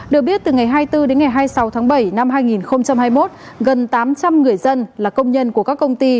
được biết từ ngày hai mươi bốn đến ngày hai mươi sáu tháng bảy năm hai nghìn hai mươi một gần tám trăm linh người dân là công nhân của các công ty